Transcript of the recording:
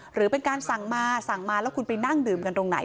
หรือเป็นการสั่งมาสั่งมาแล้วคุณไปนั่งดื่มกันตรงไหน